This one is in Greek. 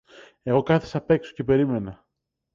Εγώ κάθησα απέξω και περίμενα